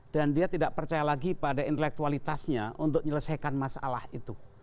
dan dia tidak percaya lagi pada intelektualitasnya untuk menyelesaikan masalah itu